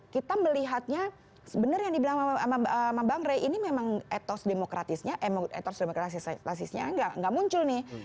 kita melihatnya sebenarnya yang dibilang sama bang rey ini memang ethos demokratisnya ethos demokratisnya tidak muncul nih